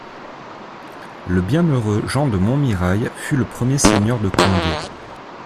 Le bienheureux Jean de Montmirail fut le premier seigneur de Condé.